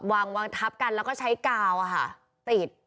วางทับกันแล้วก็ใช้กาวติด